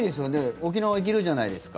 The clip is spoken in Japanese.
沖縄行けるじゃないですか。